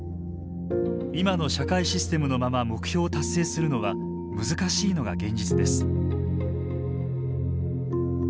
今の社会システムのまま目標を達成するのは難しいのが現実です。